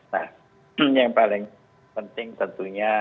nah yang paling penting tentunya